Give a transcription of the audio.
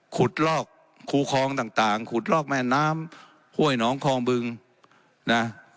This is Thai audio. ลอกคูคลองต่างขุดลอกแม่น้ำห้วยหนองคลองบึงนะ